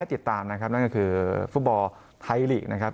ติดตามนะครับนั่นก็คือฟุตบอลไทยลีกนะครับ